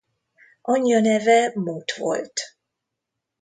Anyja neve Mut volt.